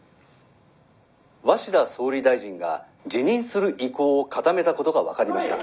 鷲田総理大臣が辞任する意向を固めたことが分かりました。